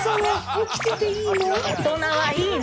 大人はいいの。